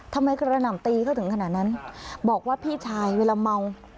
ทำไมกระหน่ำตีเขาถึงขนาดนั้นบอกว่าพี่ชายเวลาเมา